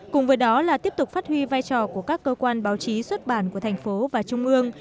cùng với đó là tiếp tục phát huy vai trò của các cơ quan báo chí xuất bản của thành phố và trung ương